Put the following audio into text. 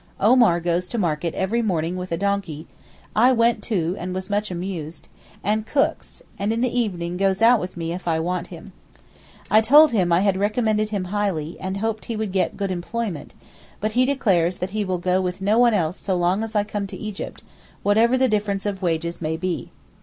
Omar goes to market every morning with a donkey—I went too, and was much amused—and cooks, and in the evening goes out with me if I want him. I told him I had recommended him highly, and hoped he would get good employment; but he declares that he will go with no one else so long as I come to Egypt, whatever the difference of wages may be.